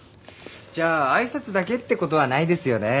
じゃあ挨拶だけって事はないですよねえ。